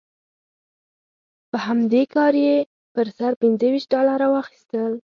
په همدې کار یې پر سر پنځه ویشت ډالره واخیستل.